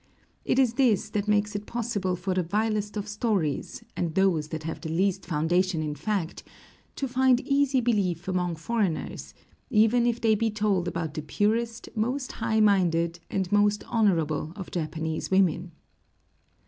It is this that makes it possible for the vilest of stories, and those that have the least foundation in fact, to find easy belief among foreigners, even if they be told about the purest, most high minded, and most honorable of Japanese women.